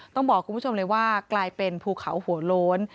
ต้องบอกคุณผู้ชมเลยว่ากลายเป็นภูเขาหัวโล้น